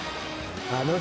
あの人